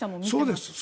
そうです。